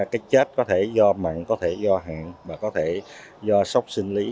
chết có thể do mặn có thể do hạn có thể do sốc sinh lý